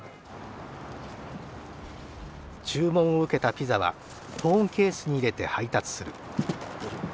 注文を受けたピザは保温ケースに入れて配達する。